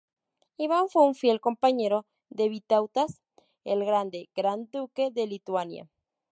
Iván fue un fiel compañero de Vitautas el Grande, Gran Duque de Lituania.